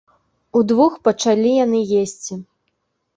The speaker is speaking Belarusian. Удвух пачалі яны есці.